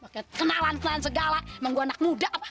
kenalan kenalan segala emang gue anak muda